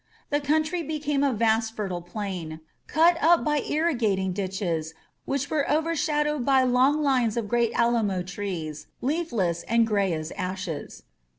The country became a vast fertile plain, cut up by irrigating ditches which were overshadowed by long lines of great alamo trees, leafless and gray as ashes.